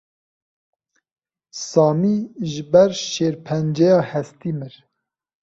Samî ji ber şêrpenceya hestî mir.